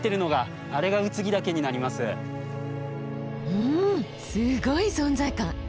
うんすごい存在感。